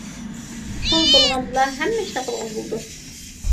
پۇل بولغاندىلا ھەممە ئىشنى قىلغىلى بولىدۇ.